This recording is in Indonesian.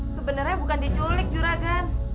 sebenernya bukan diculik juragan